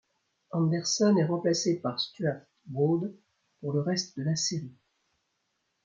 Anderson est remplacé par Stuart Broad pour le reste de la série.